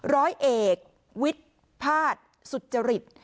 ร้อยเอกวิทภาษสุจริต